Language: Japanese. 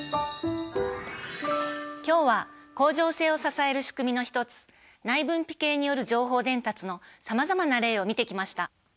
今日は恒常性を支える仕組みの一つ内分泌系による情報伝達のさまざまな例を見てきました。